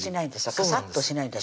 カサッとしないんです